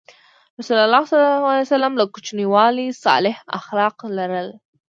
رسول الله ﷺ له کوچنیوالي صالح اخلاق لرل.